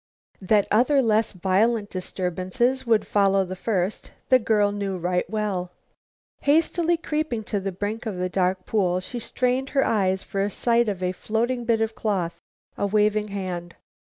That other, less violent disturbances, would follow the first, the girl knew right well. Hastily creeping to the brink of the dark pool, she strained her eyes for sight of a floating bit of cloth, a waving hand.